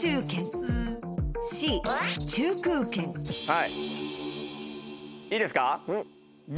はいいいですかＢ！